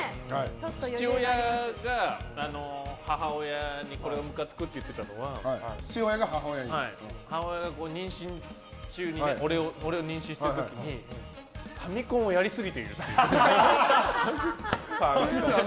父親が母親にこれがむかつくと言ってたのは母親が俺を妊娠している時にファミコンをやりすぎているって。